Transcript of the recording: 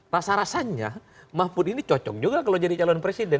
rasa rasanya mahfud ini cocok juga kalau jadi calon presiden